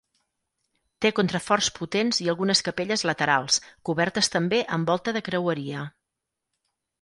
Té contraforts potents i algunes capelles laterals, cobertes també amb volta de creueria.